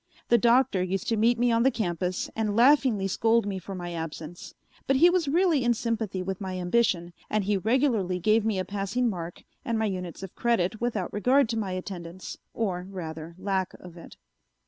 The Doctor used to meet me on the campus and laughingly scold me for my absence, but he was really in sympathy with my ambition and he regularly gave me a passing mark and my units of credit without regard to my attendance, or, rather, lack of it.